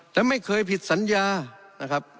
แต่ไม่เคยผิดสัญญานะครับ